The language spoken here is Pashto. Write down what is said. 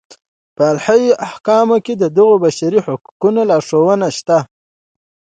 په الهي احکامو کې د دغو بشري حقونو لارښوونې شته.